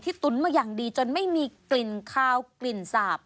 ตุ๋นมาอย่างดีจนไม่มีกลิ่นคาวกลิ่นสาบ